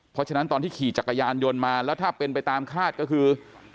เพราะฉะนั้นตอนที่ขี่จักรยานยนต์มาแล้วถ้าเป็นไปตามคาดก็คือ